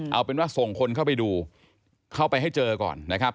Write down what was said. เอาเป็นว่าส่งคนเข้าไปดูเข้าไปให้เจอก่อนนะครับ